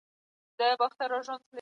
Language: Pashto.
انسان بايد حوصله ولري.